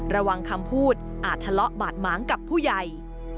ระวังคำพูดอาจทะเลาะบาดหมางกับผู้ใหญ่